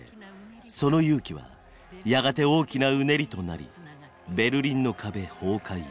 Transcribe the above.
その勇気はやがて大きなうねりとなりベルリンの壁崩壊へ。